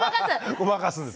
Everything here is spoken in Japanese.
ごまかすんです。